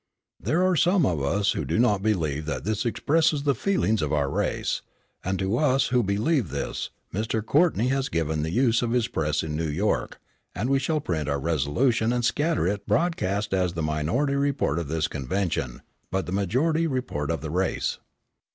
There are some of us who do not believe that this expresses the feelings of our race, and to us who believe this, Mr. Courtney has given the use of his press in New York, and we shall print our resolution and scatter it broadcast as the minority report of this convention, but the majority report of the race."